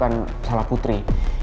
kadi aku salah putri